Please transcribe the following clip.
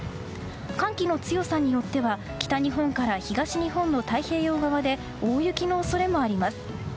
寒気の強さによっては北日本から東日本の太平洋側で大雪の恐れもあります。